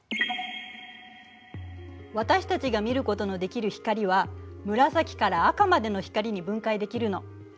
私たちが見ることのできる光は紫から赤までの光に分解できるの。